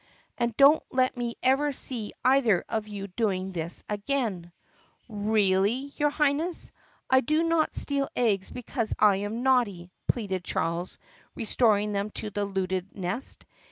And don't let me ever see either of you doing this again !" "R really, your Highness, I do not steal eggs because I am naughty," pleaded Charles restoring them to the looted nest.